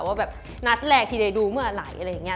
ว่าแบบนัดแรกที่ได้ดูเมื่อไหร่อะไรอย่างนี้